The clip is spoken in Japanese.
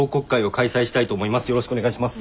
よろしくお願いします。